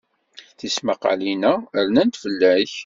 Tismaqqalin-a rnant fell-ak.